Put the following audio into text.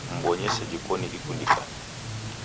Mbonye sejhi koni ikundikane